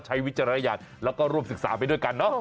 ใช้วิจารณญาณอยู่ด้วยกันเเนาะ